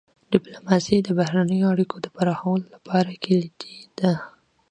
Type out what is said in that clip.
ډيپلوماسي د بهرنیو اړیکو د پراخولو لپاره کلیدي ده.